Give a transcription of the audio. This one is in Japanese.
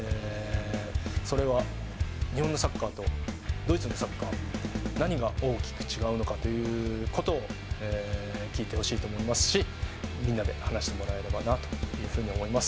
それは、日本のサッカーとドイツのサッカー、何が大きく違うのかということを、聞いてほしいと思いますし、みんなで話してもらえればなというふうに思います。